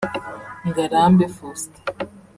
Ngarambe Faustin